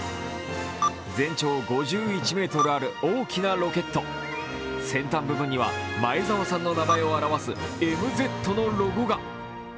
全長５１ｍある大きなロケット先端部分には前澤さんの名前を表すＭＺのロゴが。